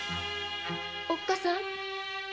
おっかさん！